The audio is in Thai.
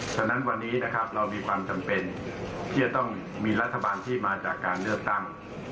ฉะนั้นวันนี้นะครับเรามีความจำเป็นที่จะต้องมีรัฐบาลที่มาจากการเลือกตั้ง